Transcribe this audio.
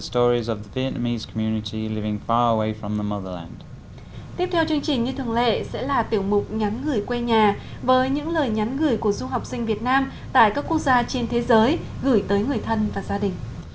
tiếp theo chương trình như thường lệ sẽ là tiểu mục nhắn gửi quê nhà với những lời nhắn gửi của du học sinh việt nam tại các quốc gia trên thế giới gửi tới người thân và gia đình